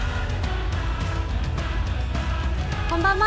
こんばんは。